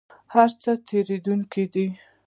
هر څه تیریدونکي دي